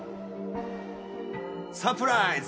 サプライズ！